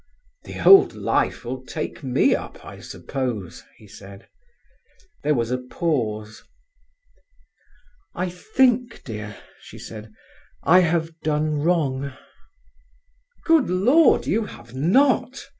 "The old life will take me up, I suppose," he said. There was a pause. "I think, dear," she said, "I have done wrong." "Good Lord—you have not!"